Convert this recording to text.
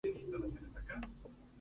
Antalya cuenta con un clima cálido.